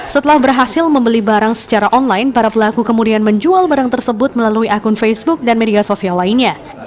setelah berhasil membeli barang secara online para pelaku kemudian menjual barang tersebut melalui akun facebook dan media sosial lainnya